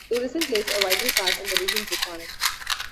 Tourism plays a vital part in the region's economy.